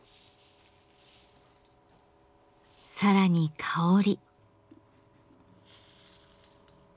更に香り。